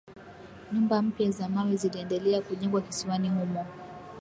nyumba mpya za mawe ziliendelea kujengwa kisiwani humo